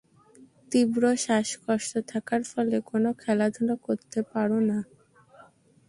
তীব্র শ্বাসকষ্ট থাকার ফলে কোনো খেলাধূলা করতে পারো না।